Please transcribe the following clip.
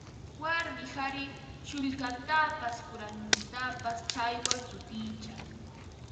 Warmi qari sullkantapas kuraqnintapas chaywan sutichan